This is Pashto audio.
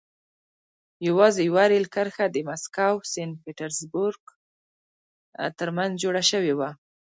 یوازې یوه رېل کرښه د مسکو سن پټزربورګ ترمنځ جوړه شوه.